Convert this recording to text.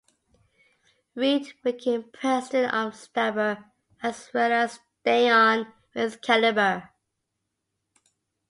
Reed became president of Stabur as well as staying on with Caliber.